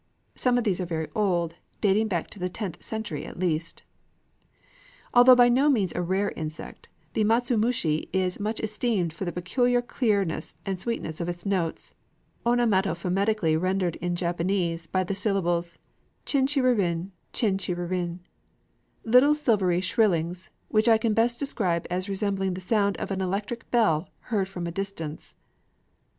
Some of these are very old, dating back to the tenth century at least. [Illustration: MATSUMUSHI (slightly enlarged).] Although by no means a rare insect, the matsumushi is much esteemed for the peculiar clearness and sweetness of its notes (onomatopoetically rendered in Japanese by the syllables chin chirorīn, chin chirorīn), little silvery shrillings which I can best describe as resembling the sound of an electric bell heard from a distance.